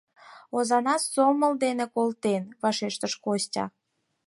— Озана сомыл дене колтен, — вашештыш Костя.